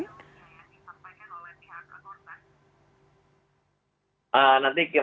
yang disampaikan oleh pihak korban